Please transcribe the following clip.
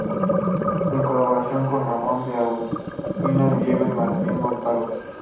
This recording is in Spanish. En colaboración con Ramón de Aguinaga y Diego Martín Montalvo.